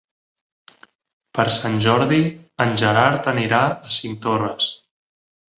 Per Sant Jordi en Gerard anirà a Cinctorres.